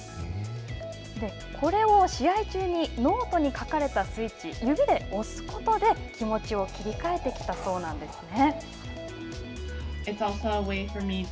これを試合中にノートに書かれたスイッチ指で押すことで気持ちを切り替えてきたそうなんですね。